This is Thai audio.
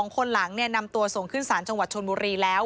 ๒คนหลังนำตัวส่งขึ้นศาลจังหวัดชนบุรีแล้ว